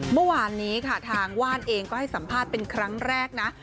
เมื่อวานนี้ค่ะทางว่านเองก็ให้สัมภาษณ์เป็นครั้งแรกนะ